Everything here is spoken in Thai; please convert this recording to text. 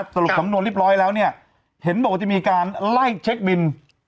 สรุปสำนวนเรียบร้อยแล้วเนี่ยเห็นบอกว่าจะมีการไล่เช็คบิน